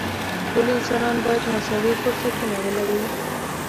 ټول انسانان باید مساوي فرصتونه ولري.